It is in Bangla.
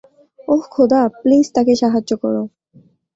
ওহ খোদা, প্লিজ তাকে সাহায্য করো।